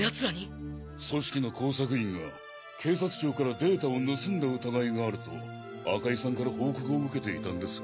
「組織」の工作員が警察庁からデータを盗んだ疑いがあると赤井さんから報告を受けていたんですが。